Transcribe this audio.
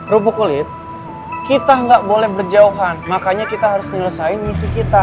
robo kulit kita gak boleh berjauhan makanya kita harus nyelesain misi kita